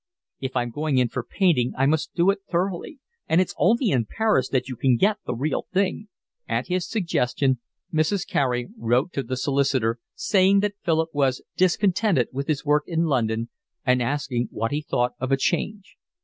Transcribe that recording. "If I'm going in for painting I must do it thoroughly, and it's only in Paris that you can get the real thing." At his suggestion Mrs. Carey wrote to the solicitor, saying that Philip was discontented with his work in London, and asking what he thought of a change.